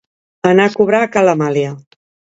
Anar a cobrar a ca l'Amàlia.